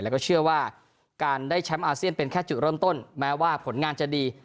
แล้วก็เชื่อว่าการได้แชมป์อาเซียนเป็นแค่จุดเริ่มต้นแม้ว่าผลงานจะดี